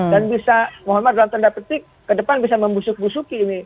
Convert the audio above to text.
dan bisa mohon maaf dalam tanda petik ke depan bisa membusuk busuki ini